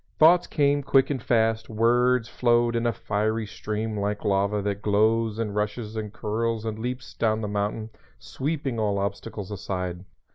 Thoughts came quick and fast; words flowed in a fiery stream like lava that glows and rushes and curls and leaps down the mountain, sweeping all obstacles aside.